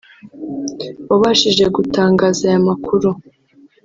wabashije gutangaza aya makuru